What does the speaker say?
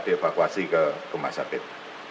dievakuasi ke rumah sakit